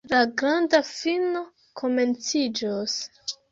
La granda fino komenciĝos.